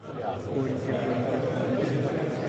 بریده بریده خوابیدن